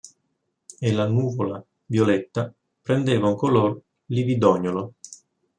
E la nuvola violetta prendeva un color lividognolo.